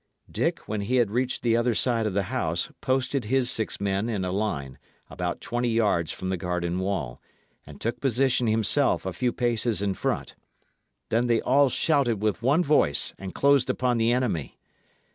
Dick, when he had reached the other side of the house, posted his six men in a line, about twenty yards from the garden wall, and took position himself a few paces in front. Then they all shouted with one voice, and closed upon the enemy.